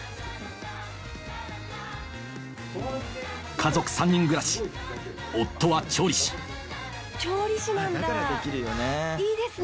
家族３人暮らし夫は調理師調理師なんだいいですね！